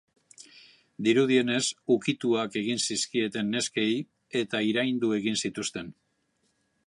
Dirudienez, ukituak egin zizkieten neskei, eta iraindu egin zituzten.